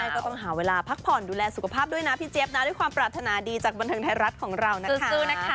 ก็ต้องหาเวลาพักผ่อนดูแลสุขภาพด้วยนะพี่เจี๊ยบนะด้วยความปรารถนาดีจากบันเทิงไทยรัฐของเรานะคะสู้นะคะ